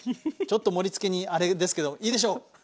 ちょっと盛りつけにあれですけどいいでしょう。